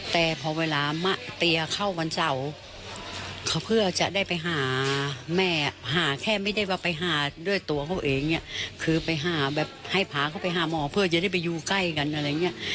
แต่พอเวลามาเตียเข้าวันเสาร์เขาเพื่อจะได้ไปหาแม่หาแค่ไม่ได้ว่าไปหาด้วยตัวเขาเองเนี่ยคือไปหาแบบให้พาเขาไปหาหมอเพื่อจะได้ไปอยู่ใกล้กันอะไรอย่างเงี้ย